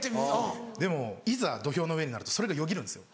でもいざ土俵の上になるとそれがよぎるんですよ。